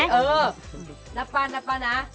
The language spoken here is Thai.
ไม่เอาภูเขาภาษาไทยก่อนใช่ไหม